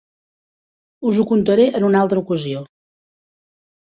Us ho contaré en una altra ocasió.